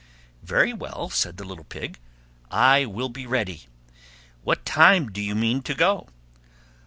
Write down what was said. "Very well," said the little Pig, "I will be ready. What time do you mean to go?"